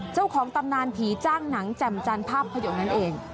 เจ้าของตำนานผีจ้างหนังแจ่มจันภาพพยกนั้นเอง